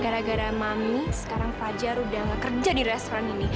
gara gara mami sekarang fajar udah gak kerja di restoran ini